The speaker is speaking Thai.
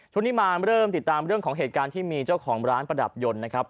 ช่วงนี้มาเริ่มติดตามเรื่องของเหตุการณ์ที่มีเจ้าของร้านประดับยนต์นะครับ